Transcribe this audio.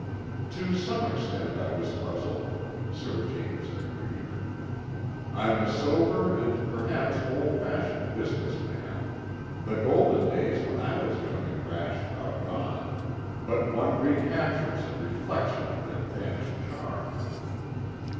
"To some extent, I was puzzled," Sir James agreed. "I'm a sober and perhaps old fashioned business man. The golden days when I was young and rash are gone, but one recaptures a reflection of their vanished charm."